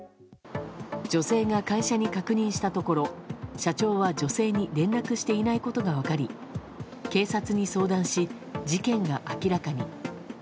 女性が会社に確認したところ社長は、女性に連絡していないことが分かり警察に相談し、事件が明らかに。